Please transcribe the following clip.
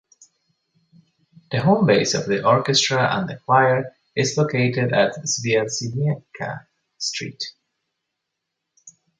The home base of the orchestra and the choir is located at Zwierzyniecka street.